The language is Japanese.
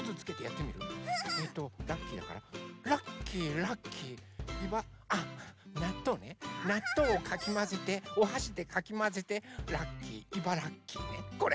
えっとラッキーだからラッキーラッキーいばあっなっとうねなっとうをかきまぜておはしでかきまぜてラッキーいばらっきーねこれ。